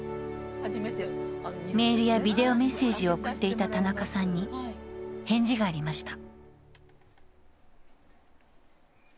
メールやビデオメッセージを送っていた田中さんに返事がありました。